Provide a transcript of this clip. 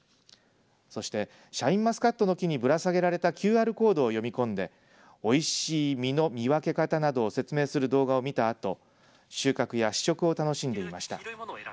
そしてシャインマスカットの木にぶら下げられたＱＲコードを読み込んでおいしい実の見分け方などを説明する動画を見たあと収穫や試食を楽しんでいました。